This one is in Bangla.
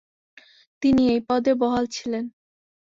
তিনি এই পদে বহাল ছিলেন।